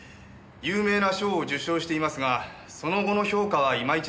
有名な賞を受賞していますがその後の評価はいまいちだったようです。